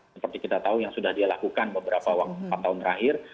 seperti kita tahu yang sudah dia lakukan beberapa empat tahun terakhir